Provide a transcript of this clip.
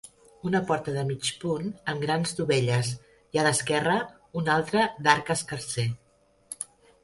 Una porta de mig punt amb grans dovelles i a l'esquerre una altra d'arc escarser.